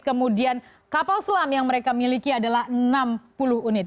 kemudian kapal selam yang mereka miliki adalah enam puluh unit